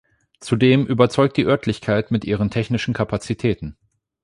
Zudem überzeugt die Örtlichkeit mit ihren technischen Kapazitäten.